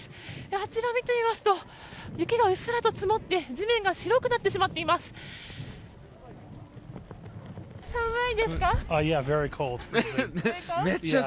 あちら、見てみますと雪がうっすらと積もって地面が白くなってしまっています。